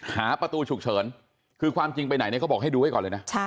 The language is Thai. หาประตูฉุกเฉินคือความจริงไปไหนเนี่ยเขาบอกให้ดูไว้ก่อนเลยนะ